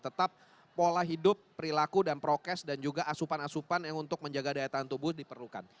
tetap pola hidup perilaku dan prokes dan juga asupan asupan yang untuk menjaga daya tahan tubuh diperlukan